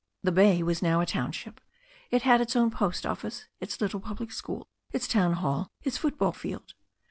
The bay was now a township. It had its own post ofiice^ its little public school, its town hall, its football field.